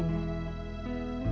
ya silahkan masuk